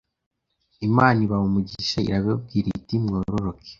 Imana ibaha umugisha irababwira iti ‘mwororoke